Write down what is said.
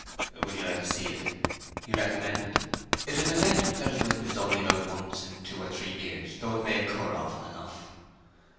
'But would you like to see it?' he recommenced. 'It is an event that is witnessed only about once in two or three years, though it may occur often enough.'